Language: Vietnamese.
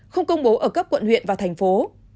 không công bố ở cấp quận huyện và thành phố